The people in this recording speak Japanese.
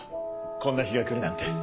こんな日が来るなんて。